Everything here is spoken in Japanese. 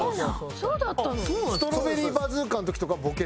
そうだったの？